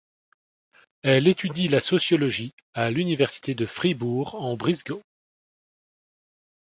Elle étudie la sociologie à l'université de Fribourg-en-Brisgau.